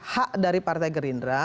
hak dari partai gerindra